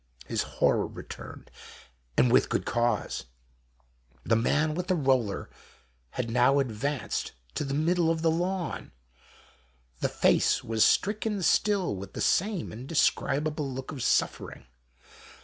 His horror returned, and with good cause. The man with the roller had now advanced to the middle of the lawn. The face was stricken still with the same indescribable look of suffering.